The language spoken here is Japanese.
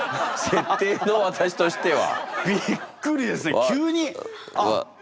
設定の私としては。